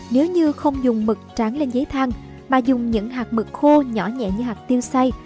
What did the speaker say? nếu như không dùng mực tráng lên giấy thăng mà dùng những hạt mực khô nhỏ nhẹ như hạt tiêu say